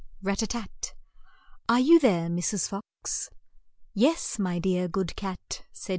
rat tat tat! "Are you there, Mrs. Fox?' "Yes, my dear, good cat," said ~l Mr